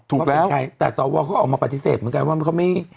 ถูกแล้วแต่สอบว่าเขาออกมาปฏิเสธเหมือนกันว่าเขาไม่